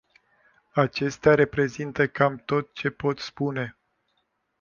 Acestea reprezintă cam tot ce pot spune.